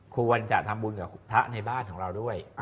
ควรจะทำบุญกับพระในบ้านของเราด้วย